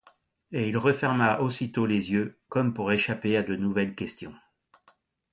Et il referma aussitôt les yeux, comme pour échapper à de nouvelles questions.